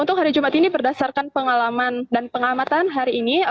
untuk hari jumat ini berdasarkan pengalaman dan pengamatan hari ini